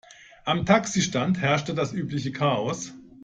Am Taxistand herrschte das übliche Chaos.